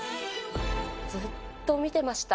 ずっと見てました。